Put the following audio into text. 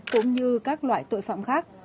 cũng như các loại tội phạm khác